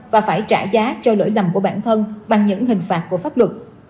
và phải trả giá cho lỗi lầm của bản thân bằng những hình phạt của pháp luật